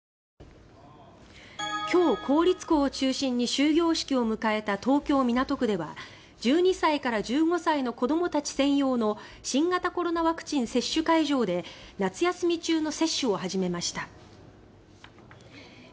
今日、公立校を中心に終業式を迎えた東京・港区では１２歳から１５歳の子どもたち専用の新型コロナワクチン接種会場で夏休み中の接種を始めました。